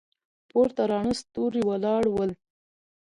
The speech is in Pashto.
پورته راڼه ستوري ولاړ ول.